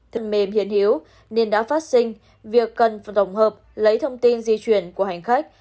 phần mềm hiến hiếu nên đã phát sinh việc cần tổng hợp lấy thông tin di chuyển của hành khách